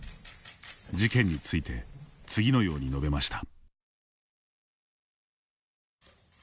事件について次のように述べました。